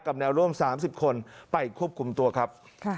แนวร่วม๓๐คนไปควบคุมตัวครับ